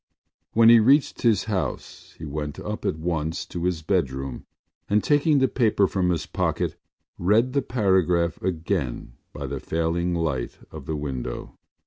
When he reached his house he went up at once to his bedroom and, taking the paper from his pocket, read the paragraph again by the failing light of the window.